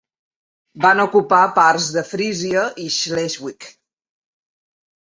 Van ocupar parts de Frisia i Schleswig.